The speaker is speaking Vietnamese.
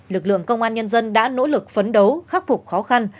lực lượng công an nhân dân đã nỗ lực phấn đấu khắc phục khó khăn